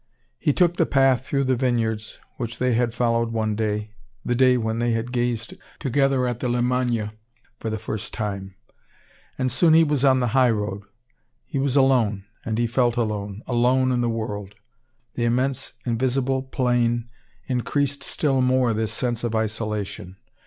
He took the path through the vineyards which they had followed one day the day when they had gazed together at the Limagne for the first time. And soon he was on the highroad. He was alone, and he felt alone, alone in the world. The immense, invisible plain increased still more this sense of isolation.